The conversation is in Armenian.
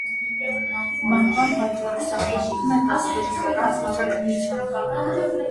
Մահվան պատճառը սահմանվում է դատաբժշկական փորձաքննությամբ։